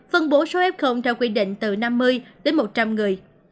phân bố số f theo quy định từ năm mươi đến một trăm linh người